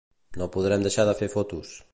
No podrem deixar de fer fotos.